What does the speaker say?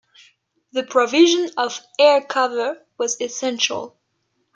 The provision of air cover was essential.